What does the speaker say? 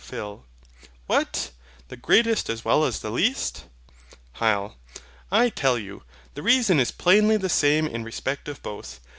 PHIL. What! the greatest as well as the least? HYL. I tell you, the reason is plainly the same in respect of both.